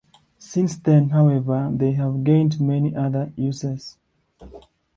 Since then, however, they have gained many other uses.